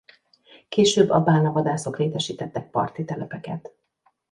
Később a bálnavadászok létesítettek parti telepeket.